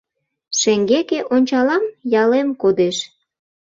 Шеҥгеке ончалам — ялем кодеш.